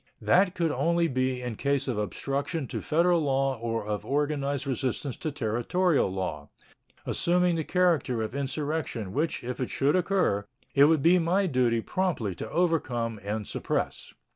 That could only be in case of obstruction to Federal law or of organized resistance to Territorial law, assuming the character of insurrection, which, if it should occur, it would be my duty promptly to overcome and suppress.